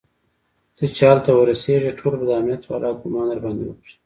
ته چې هلته ورسېږي ټول به د امنيت والا ګومان درباندې وکړي.